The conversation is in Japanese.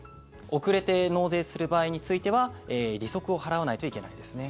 遅れて納税する場合については利息を払わないといけないですね。